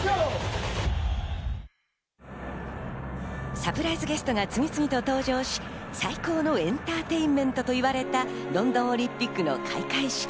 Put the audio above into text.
サプライズゲストが次々と登場し、最高のエンターテインメントといわれたロンドンオリンピックの開会式。